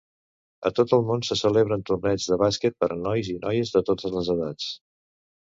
A tot el món se celebren torneigs de bàsquet per a nois i noies de totes les edats.